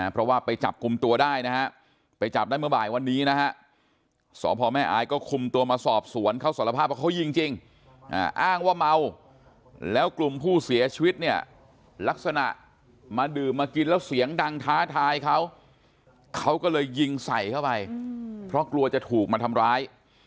เพราะว่าไปจับกลุ่มตัวได้นะฮะไปจับได้เมื่อบ่ายวันนี้นะฮะสพแม่อายก็คุมตัวมาสอบสวนเขาสารภาพว่าเขายิงจริงอ้างว่าเมาแล้วกลุ่มผู้เสียชีวิตเนี่ยลักษณะมาดื่มมากินแล้วเสียงดังท้าทายเขาเขาก็เลยยิงใส่เข้าไปเพราะกลัวจะถูกมาทำร้าย